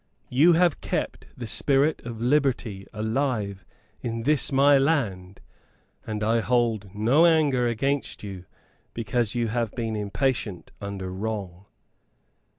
You have kept the spirit of liberty alive in this my land, and I hold no anger against you because you have been impatient under wrong."